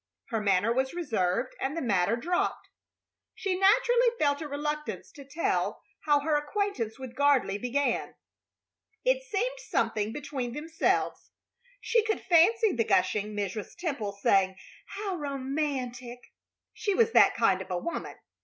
Her manner was reserved, and the matter dropped. She naturally felt a reluctance to tell how her acquaintance with Gardley began. It seemed something between themselves. She could fancy the gushing Mrs. Temple saying, "How romantic!" She was that kind of a woman.